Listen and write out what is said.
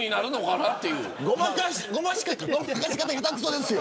ごまかし方、下手くそですよ。